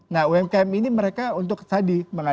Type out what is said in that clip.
nah umkm ini mereka untuk tadi